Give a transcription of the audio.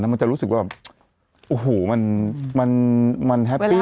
มันจะรู้สึกว่ามันแฮปปี้